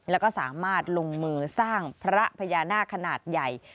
แล้วก็สามารถลงมือสร้างพระพญานาคขนาดใหญ่